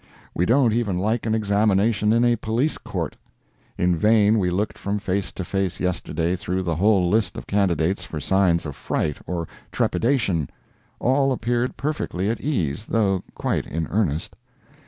We don't even like an examination in a Police Court. In vain we looked from face to face yesterday through the whole list of candidates for signs of fright or trepidation. All appeared perfectly at ease, though quite in earnest.